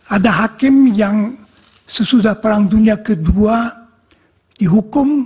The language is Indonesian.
ada hakim yang sesudah perang dunia ii dihukum